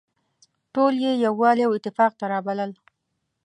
ټول يې يووالي او اتفاق ته رابلل.